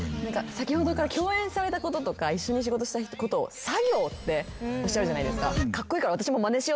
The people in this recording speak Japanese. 先ほどから共演されたこととか一緒に仕事したことを「作業」っておっしゃるじゃないですか。